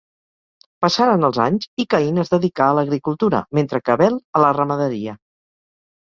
Passaren els anys i Caín es dedicà a l'agricultura mentre que Abel, a la ramaderia.